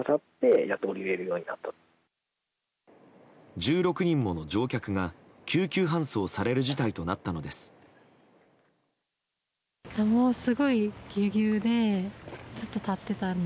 １６人もの乗客が救急搬送される事態となったのです。